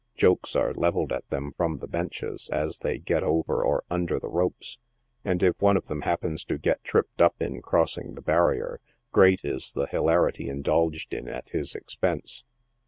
Jokes are levelled at them from the benches, as they get over or under the ropes, and if one of them happens to get tripped up in crossing the barrier, great is the hilarity indulged in at his expense.